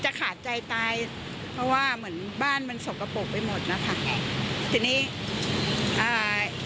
ขาดใจตายเพราะว่าเหมือนบ้านมันสกปรกไปหมดนะคะทีนี้อ่า